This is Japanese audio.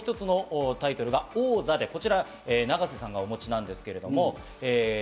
さらにもう一つのタイトルが王座で、こちら永瀬さんがお持ちなんです。